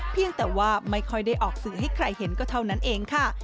เพียงแต่ว่าไม่ค่อยได้ออกสื่อให้ใครเห็นก็เท่านั้นเองค่ะ